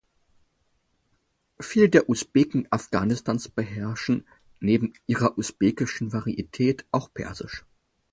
Viele der Usbeken Afghanistans beherrschen neben ihrer usbekischen Varietät auch Persisch.